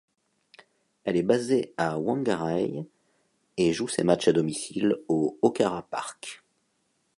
Elle est basée à Whangarei et joue ses matchs à domicile au Okara Park.